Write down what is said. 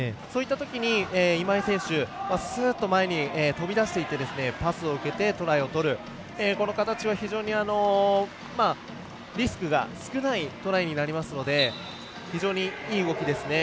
そういったときに今井選手すっと前に飛び出していってパスを受けてトライをとるという形は非常にリスクが少ないトライになりますので非常にいい動きですね。